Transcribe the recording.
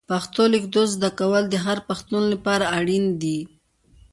پښتو لیکدود زده کول د هر پښتون لپاره اړین دي.